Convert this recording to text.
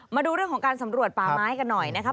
มาดูเรื่องของการสำรวจป่าไม้กันหน่อยนะครับ